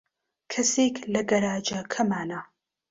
کەسێک لە گەراجەکەمانە.